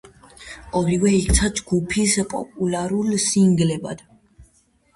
ორივე იქცა ჯგუფის პოპულარულ სინგლებად.